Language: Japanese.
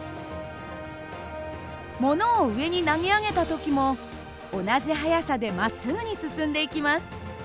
ものを上に投げ上げた時も同じ速さでまっすぐに進んでいきます。